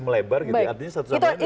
melebar gitu artinya satu sama lain